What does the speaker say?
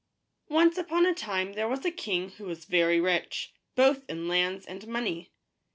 QNCE upon a time there was a king who was very rich, both in lands and money.